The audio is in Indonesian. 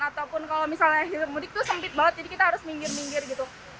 ataupun kalau misalnya hilir mudik tuh sempit banget jadi kita harus minggir minggir gitu